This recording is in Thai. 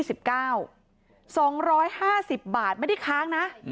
สองร้อยห้าสิบบาทไม่ได้ค้างนะ